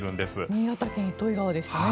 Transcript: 新潟県・糸魚川でしたね。